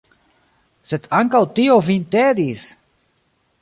Sed ankaŭ tio vin tedis!